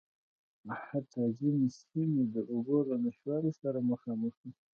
حتٰی ځينې سیمې د اوبو له نشتوالي سره مخامخ دي.